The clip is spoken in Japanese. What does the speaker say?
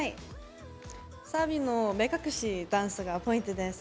サビの目隠しダンスがポイントです。